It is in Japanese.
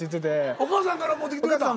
お母さんから持ってきてくれたん？